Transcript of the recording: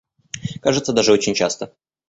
Кажется, даже очень часто.